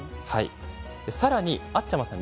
さらに、あっちゃまさん